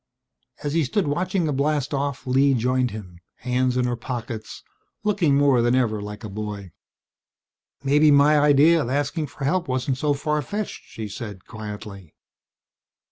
As he stood watching the blastoff Lee joined him, hands in her pockets, looking more than ever like a boy. "Maybe my idea of asking for help wasn't so far fetched," she said quietly.